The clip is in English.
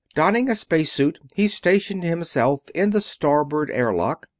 Donning a space suit, he stationed himself in the starboard airlock.